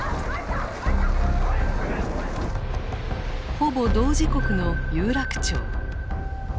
ほぼ同時刻の有楽町。